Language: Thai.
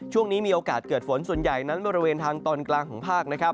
ช่วงนี้มีโอกาสเกิดฝนส่วนใหญ่นั้นบริเวณทางตอนกลางของภาคนะครับ